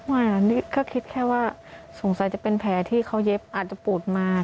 ไม่อันนี้ก็คิดแค่ว่าสงสัยจะเป็นแผลที่เขาเย็บอาจจะปวดมาก